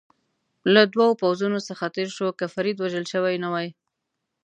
له دوو پوځونو څخه تېر شو، که فرید وژل شوی نه وای.